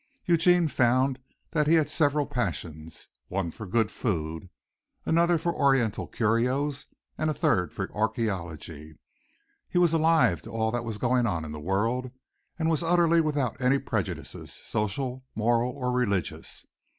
Eugene found that he had several passions, one for good food, another for oriental curios and a third for archæology. He was alive to all that was going on in the world, and was utterly without any prejudices, social, moral or religious.